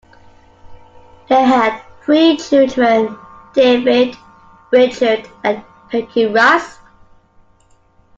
They had three children: David, Richard and Peggy Rusk.